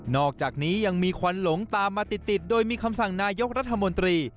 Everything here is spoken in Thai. อกจากนี้ยังมีควันหลงตามมาติดโดยมีคำสั่งนายกรัฐมนตรี